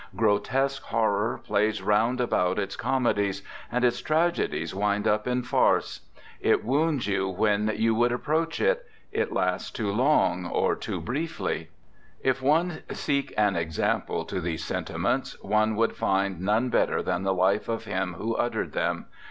Gro tesque horror plays round about its comedies, and its tragedies wind up in farce. It wounds you when you would approach it; it lasts too long or too briefly/' If one seek an example to these senti ments, one would find none better than the life of him who uttered them.